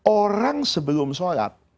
orang sebelum sholat